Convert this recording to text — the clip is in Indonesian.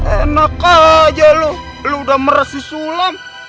enak aja lo lo udah meres si sulam